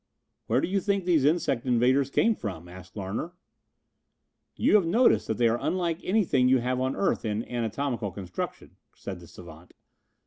"Where do you think these insect invaders came from?" asked Larner. "You have noticed they are unlike anything you have on earth in anatomical construction," said the savant.